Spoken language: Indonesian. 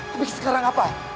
tapi sekarang apa